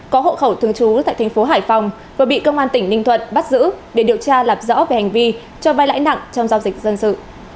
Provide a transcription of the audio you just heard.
có hộ khẩu thường trú tại thành phố hải phòng vừa bị công an tỉnh ninh thuận bắt giữ để điều tra lạp rõ về hành vi cho vai lãi nặng trong giao dịch dân sự